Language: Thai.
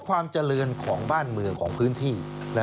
ความเจริญของบ้านเมืองของพื้นที่